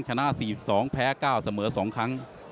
ชนะ๔๒แพ้๙เสมอ๒ครั้ง